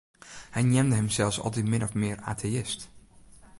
Hy neamde himsels altyd min of mear ateïst.